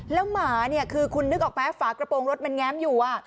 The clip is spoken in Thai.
แล้วหมาเนี่ยคือคุณนึกออกไหมฝากระโปรงรถมันแง้มอยู่